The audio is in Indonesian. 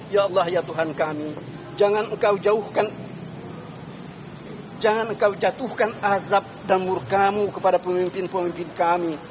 ya allah ya tuhan kami jangan engkau jatuhkan azab dan murkamu kepada pemimpin pemimpin kami